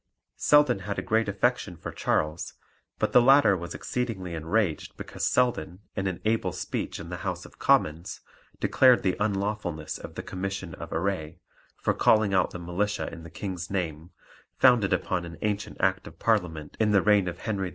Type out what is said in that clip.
Selden had a great affection for Charles; but the latter was exceedingly enraged because Selden in an able speech in the House of Commons declared the unlawfulness of the Commission of Array, for calling out the Militia in the King's name, founded upon an ancient Act of Parliament in the reign of Henry IV.